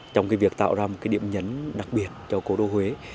trong việc tạo ra một điểm nhấn đặc biệt cho cố đô huế